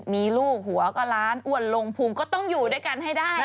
มีลูกหัวก็ล้านอ้วนลงพุงก็ต้องอยู่ด้วยกันให้ได้